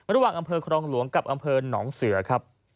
ระหว่างอำเภอครองหลวงกับอำเภอหนองเสือครับ